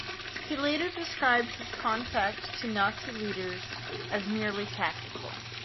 He later described his contact to Nazi leaders as merely tactical.